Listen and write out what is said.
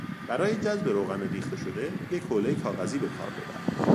برای جذب روغن ریخته شده یک حولهی کاغذی به کار ببر.